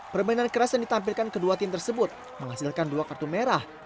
permainan keras yang ditampilkan kedua tim tersebut menghasilkan dua kartu merah